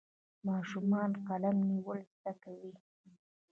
ماشومان قلم نیول زده کوي.